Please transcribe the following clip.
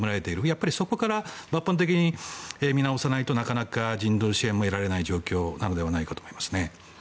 やっぱりそこから抜本的に見直さないとなかなか人道支援も得られない状況だと思いますね。